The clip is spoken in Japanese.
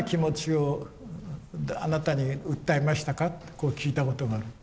こう聞いたことがある。